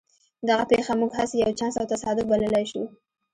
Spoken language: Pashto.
دغه پېښه موږ هسې یو چانس او تصادف بللای شو